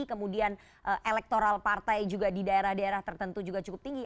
kemudian elektoral partai juga di daerah daerah tertentu juga cukup tinggi